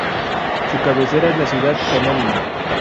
Su cabecera es la ciudad "homónima".